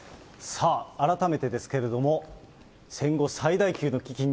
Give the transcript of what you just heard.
さあ、改めてですけれども、戦後最大級の危機。